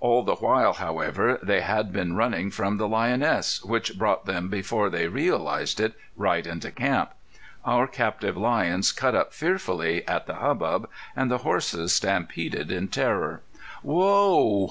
All the while, however, they had been running from the lioness, which brought them before they realized it right into camp. Our captive lions cut up fearfully at the hubbub, and the horses stampeded in terror. "Whoa!"